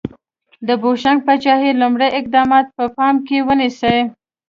د بوشنګ پاچاهۍ لومړي اقدامات په پام کې ونیسئ.